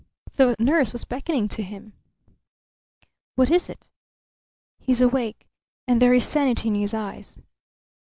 The nurse was beckoning to him. "What is it?" "He's awake, and there is sanity in his eyes."